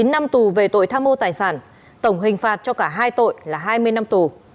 chín năm tù về tội tham mô tài sản tổng hình phạt cho cả hai tội là hai mươi năm tù